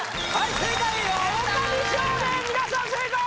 正解